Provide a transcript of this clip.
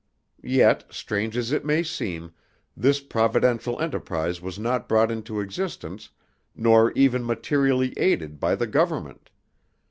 Yet, strange as it may seem, this providential enterprise was not brought into existence nor even materially aided by the Government.